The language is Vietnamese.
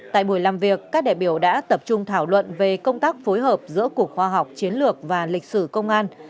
tại buổi làm việc các đại biểu đã tập trung thảo luận về công tác phối hợp giữa cục khoa học chiến lược và lịch sử công an